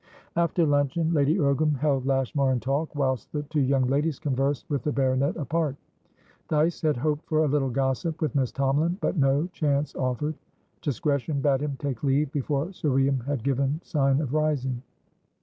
After luncheon, Lady Ogram held Lashmar in talk, whilst the two young ladies conversed with the baronet apart. Dyce had hoped for a little gossip with Miss Tomalin, but no chance offered; discretion bade him take leave before Sir William had given sign of rising.